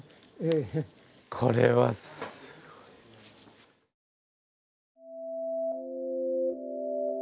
これはすごい。